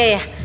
oh itu kan